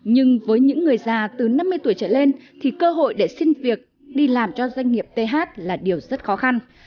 nhưng với những người già từ năm mươi tuổi trở lên thì cơ hội để xin việc đi làm cho doanh nghiệp th là điều rất khó khăn